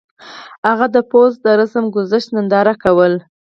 هغه د پوځ د رسم ګذشت ننداره کوله.